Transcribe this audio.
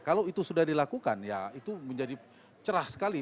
kalau itu sudah dilakukan ya itu menjadi cerah sekali